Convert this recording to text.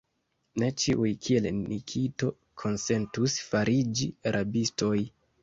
Ne ĉiuj, kiel Nikito, konsentus fariĝi rabistoj!